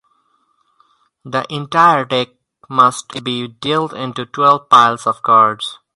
The entire deck must be dealt into twelve piles of cards.